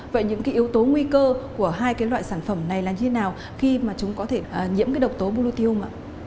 vậy những yếu tố nguy cơ của hai loại sản phẩm này là như thế nào khi chúng có thể nhiễm độc tố bolutinum